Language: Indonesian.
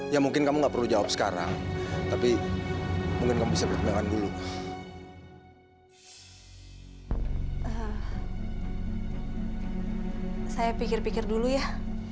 ya udah gak jadi ntar aja deh